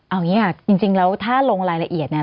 เอาอย่างนี้ค่ะจริงแล้วถ้าลงรายละเอียดเนี่ย